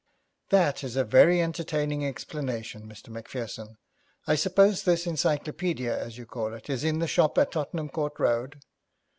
'That is a very entertaining explanation, Mr. Macpherson. I suppose this encyclopaedia, as you call it, is in the shop at Tottenham Court Road?'